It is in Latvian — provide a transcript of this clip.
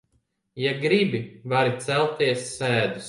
Ja gribi, vari celties sēdus.